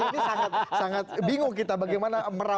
ini sangat bingung kita bagaimana merabah rabah